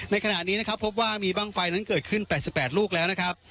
ในขณะนี้นะครับพบว่ามีบ้างไฟนั้นเกิดขึ้น๘๘ลูกแล้วนะครับ